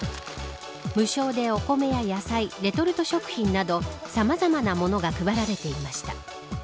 無償でお米や野菜レトルト食品などさまざまなものが配られていました。